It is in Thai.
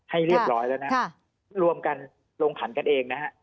ให้เรียบร้อยแล้วนะฮะรวมกันลงผันกันเองนะฮะ